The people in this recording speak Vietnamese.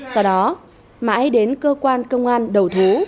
sau đó mãi đến cơ quan công an đầu thú